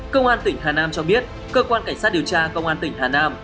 công an tỉnh hà nam cho biết cơ quan cảnh sát điều tra công an tỉnh hà nam